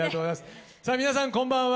さあ皆さんこんばんは。